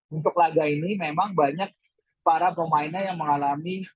untuk laga ini memang banyak para pemainnya yang mengalami